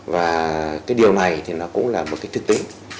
và cái điều này thì nó cũng là một cái thực tế